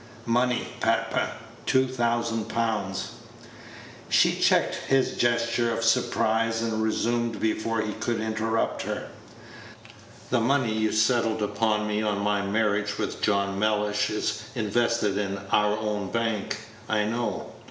"Money, papa. Two thousand pounds." Page 97 She checked his gesture of surprise, and resumed before he could interrupt her: "The money you settled upon me on my marriage with John Mellish is invested in our own bank, I know.